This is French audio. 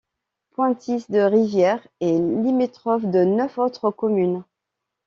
Pointis-de-Rivière est limitrophe de neuf autres communes.